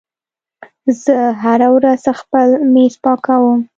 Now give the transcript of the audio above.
زه هره ورځ خپل میز پاکوم.